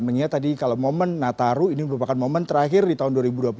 mengingat tadi kalau momen nataru ini merupakan momen terakhir di tahun dua ribu dua puluh satu